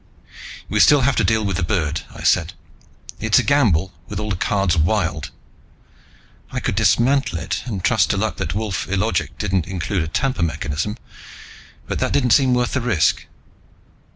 "We still have to deal with the bird," I said. "It's a gamble, with all the cards wild." I could dismantle it, and trust to luck that Wolf illogic didn't include a tamper mechanism. But that didn't seem worth the risk.